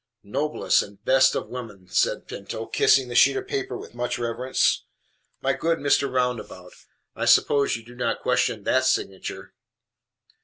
"Noblest and best of women!" said Pinto, kissing the sheet of paper with much reverence. "My good Mr. Roundabout, I suppose you do not question THAT signature?"